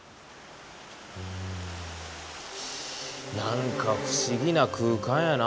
うん何か不思議な空間やな。